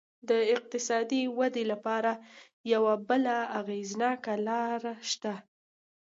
د اقتصادي ودې لپاره یوه بله اغېزناکه لار شته.